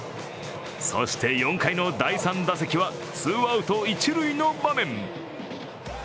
そして４回の第３打席はツーアウト一塁の場面。